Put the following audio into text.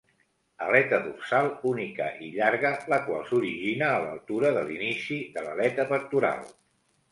Aleta dorsal única i llarga, la qual s'origina a l'altura de l'inici de l'aleta pectoral.